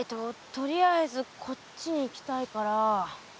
とりあえずこっちに行きたいから。